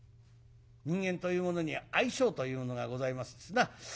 人間というものには相性というのがございますな。